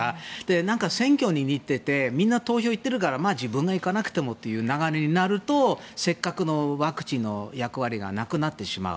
なんか、選挙に似ていてみんな投票行っているから自分は行かなくてもという流れになるとせっかくのワクチンの役割がなくなってしまう。